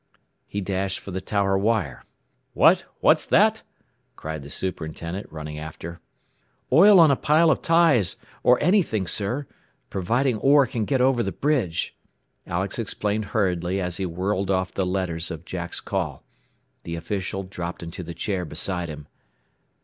He dashed for the tower wire. "What? What's that?" cried the superintendent, running after. "Oil on a pile of ties, or anything, sir providing Orr can get over the bridge," Alex explained hurriedly as he whirled off the letters of Jack's call. The official dropped into the chair beside him.